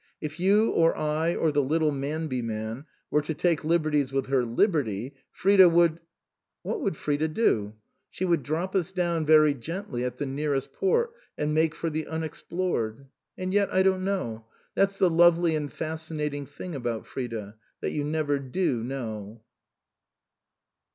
If you or I or the little Manby man were to take liberties with her liberty, Frida would "" What would Frida do ?" "She would drop us down, very gently, at the nearest port, and make for the Unexplored I And yet, I don't know. That's the lovely and fascinating thing about Frida that you never do know."